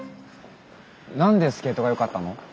何でスケートがよかったの？